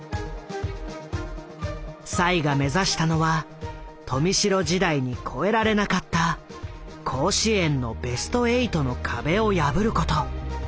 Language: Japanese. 栽が目指したのは豊見城時代に越えられなかった甲子園のベスト８の壁を破ること。